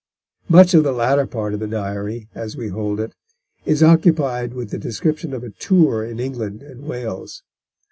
Much of the latter part of the Diary, as we hold it, is occupied with the description of a tour in England and Wales.